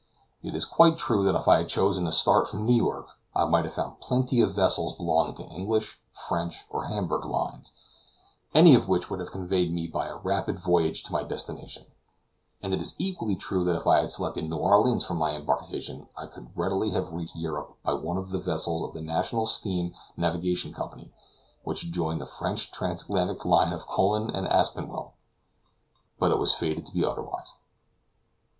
It is quite true that if I had chosen a start from New York I might have found plenty of vessels belonging to English, French, or Hamburg lines, any of which would have conveyed me by a rapid voyage to my destination; and it is equally true that if I had selected New Orleans for my embarkation I could readily have reached Europe by one of the vessels of the National Steam Navigation Company, which join the French transatlantic line of Colon and Aspinwall. But it was fated to be otherwise.